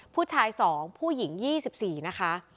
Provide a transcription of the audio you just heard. ผู้ชาย๒ผู้หญิง๒๔นะคะ